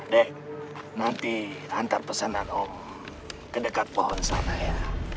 dek nanti antar pesanan om ke dekat pohon sana ya